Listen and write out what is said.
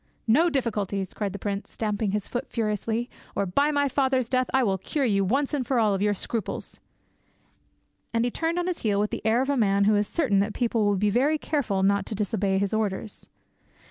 "No difficulties!" cried the prince, stamping his foot furiously, "or, by my father's death, I will cure you, once for all, of your scruples." And he turned on his heel with the air of a man who is certain that people will be very careful not to disobey his orders.